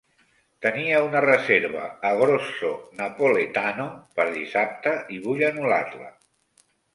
Tenia una reserva a Grosso Napoletano per dissabte i vull anul·lar-la.